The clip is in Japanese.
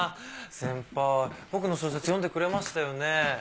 先輩僕の小説読んでくれましたよねぇ？